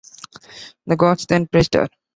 The gods then praised her.